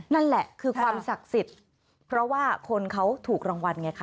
นั่นแหละคือความศักดิ์สิทธิ์เพราะว่าคนเขาถูกรางวัลไงคะ